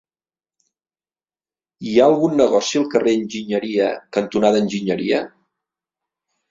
Hi ha algun negoci al carrer Enginyeria cantonada Enginyeria?